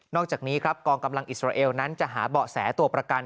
อกจากนี้ครับกองกำลังอิสราเอลนั้นจะหาเบาะแสตัวประกัน